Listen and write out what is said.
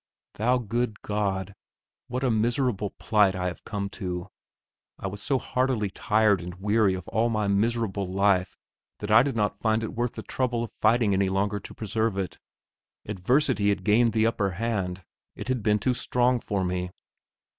Thou good God, what a miserable plight I have come to! I was so heartily tired and weary of all my miserable life that I did not find it worth the trouble of fighting any longer to preserve it. Adversity had gained the upper hand; it had been too strong for me.